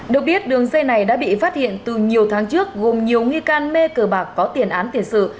được biết đường dây này đã bị phát hiện từ nhiều tháng trước gồm nhiều nghi can mê cờ bạc có tiền án tiền sự